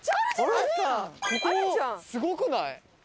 ここすごくない？